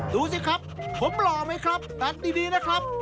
ดูสิครับผมหล่อไหมครับตัดดีนะครับ